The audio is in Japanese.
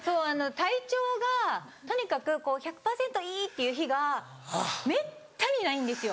体調がとにかく「１００％いい」っていう日がめったにないんですよ。